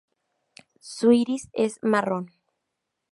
Su iris es marrón.